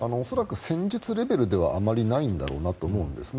戦術レベルではあまりないんだろうなとは思うんですね。